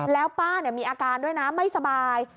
แล้วป้ามีอาการด้วยนะไม่สบาย